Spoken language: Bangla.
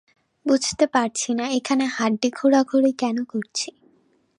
বুঝতে পারছি না এখানে হাড্ডি খোড়াখুড়ি কেন করছি।